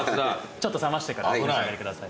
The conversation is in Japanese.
ちょっと冷ましてからお召し上がりください。